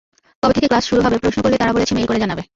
কবে থেকে ক্লাস শুরু হবে প্রশ্ন করলে তারা বলেছে মেইল করে জানাবে।